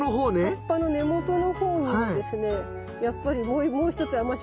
葉っぱの根元のほうにもですねやっぱりもう一つ甘食というか。